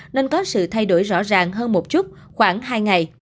nên có sự thay đổi rõ ràng hơn một chút khoảng hai ngày